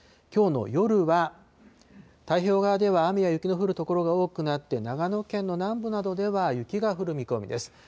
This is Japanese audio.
きょうの夜は太平洋側では雨や雪の降る所が多くなって、長野県の南部などでは、雪が降る見込みです。